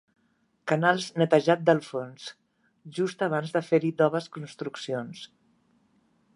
Canals netejats del fons, just abans de fer-hi noves construccions.